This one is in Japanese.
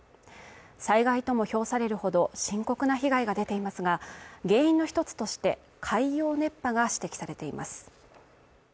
災害とも評されるほど深刻な被害が出ていますが、原因の一つとして、海洋熱波が指摘されています。